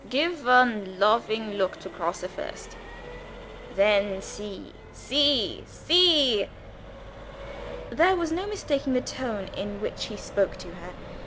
Gif one lofing look to Grosse first. Then see! see! see!" There was no mistaking the tone in which he spoke to her.